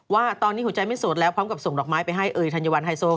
ว่าตอนนี้หัวใจไม่โสดแล้วพร้อมกับส่งดอกไม้ไปให้เอ๋ยธัญวัลไฮโซ